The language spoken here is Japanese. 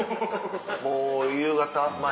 もう夕方前。